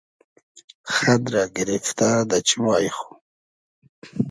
خئد رۂ گیریفتۂ دۂ چیمای خو